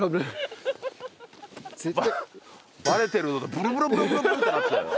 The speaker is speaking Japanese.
ブルブルブルブルブル！ってなってたよ。